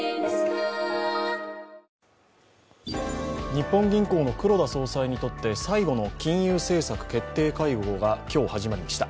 日本銀行の黒田総裁にとって最後の金融政策決定会合が今日、始まりました。